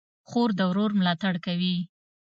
خور د ورور ملاتړ کوي.